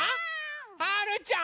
はるちゃん！